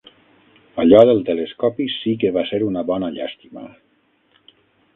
Allò del telescopi sí que va ser una bona llàstima.